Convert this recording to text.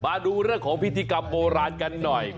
มาดูเรื่องของพิธีกรรมโบราณกันหน่อย